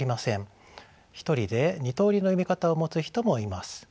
１人で２通りの読み方を持つ人もいます。